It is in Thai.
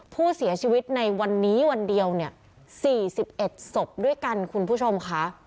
ผู้เสียชีวิตในวันนี้วันเดียวเนี่ย๔๑ศพด้วยกันคุณผู้ชมค่ะ